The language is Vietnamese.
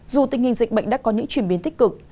dù tình hình dịch bệnh đã có những chuyển biến tích cực